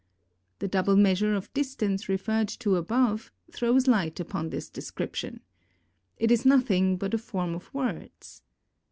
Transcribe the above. The double measure of distance referred to above throws light upon this description. It is nothing but a form of words.